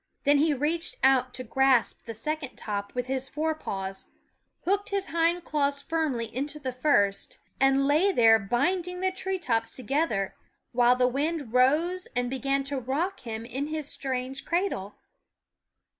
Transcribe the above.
Then he reached out to grasp the second top with his fore paws, hooked his hind claws firmly into the first, and lay there binding the tree tops together, while the wind rose and began to rock him in his strange cradle.